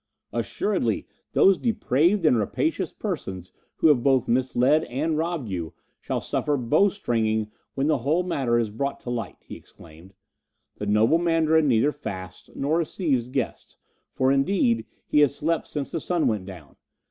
"Assuredly those depraved and rapacious persons who have both misled and robbed you shall suffer bow stringing when the whole matter is brought to light," he exclaimed. "The noble Mandarin neither fasts nor receives guests, for, indeed, he has slept since the sun went down.